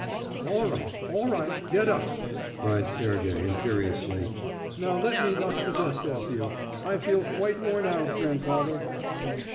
"All right, all right. Get up!" cried Sergey imperiously. "Now let me knock the dust off you. I feel quite worn out, grandfather."